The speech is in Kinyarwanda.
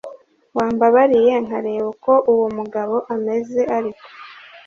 wambabariye nkareba uko uwo mugabo ameze ariko